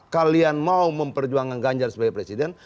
kalian mau memperjuangkan ganjar sebagai presiden